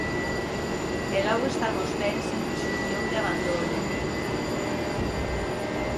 E logo están os bens en presunción de abandono.